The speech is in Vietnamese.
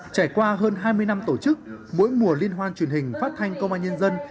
trải qua hơn hai mươi năm tổ chức mỗi mùa liên hoan truyền hình phát thanh công an nhân dân